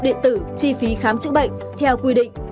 điện tử chi phí khám chữa bệnh theo quy định